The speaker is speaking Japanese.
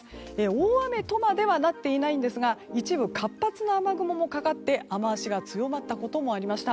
大雨とまではなっていないんですが一部、活発な雨雲がかかって雨脚が強まったこともありました。